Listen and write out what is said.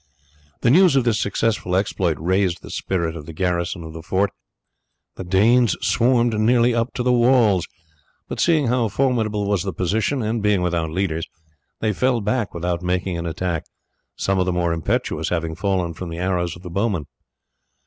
The news of this successful exploit raised the spirits of the garrison of the fort. The Danes swarmed nearly up to the walls, but seeing how formidable was the position, and being without leaders, they fell back without making an attack, some of the more impetuous having fallen from the arrows of the bowmen.